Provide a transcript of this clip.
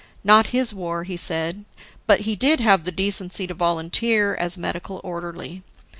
Not his war, he said; but he did have the decency to volunteer as medical orderly.